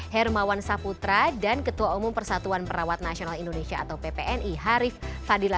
hermawan saputra dan ketua umum persatuan perawat nasional indonesia atau ppni harif fadila